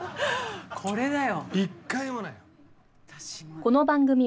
これだよ。